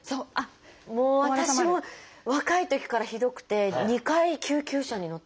もう私も若いときからひどくて２回救急車に乗ってます。